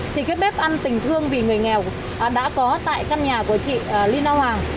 thì cái bếp ăn tình thương vì người nghèo đã có tại căn nhà của chị lina hoàng